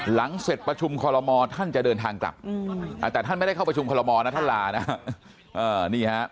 หลังเสร็จประชุมคอลโมท่านจะเดินทางกลับแต่ท่านไม่ได้เข้าประชุมคอลโมนะท่านลานะ